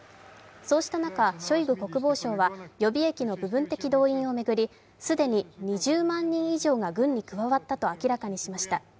そうした中、ショイグ国防相は予備役の部分的動員を巡り既に２０万人以上が軍に加わったと明らかにしました。